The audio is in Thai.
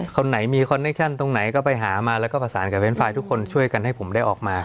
คนไหนมีคอนเนคชั่นตรงไหนก็ไปหามาแล้วก็ประสานกับเวนต์ไฟล์ทุกคนช่วยกันให้ผมได้ออกมา